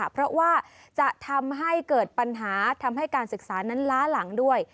เพราะว่าจะทำให้เกิดปัญหาทำให้การศึกษานั้นล้าหลังด้วย